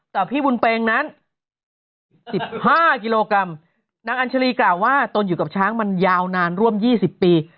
แต่พี่บุญเปงนั้นสิบห้ากิโลกรัมนางอัญชรีกล่าวว่าตนอยู่กับช้างมันยาวนานร่วม๒๐ปี